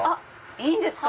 いいんですか？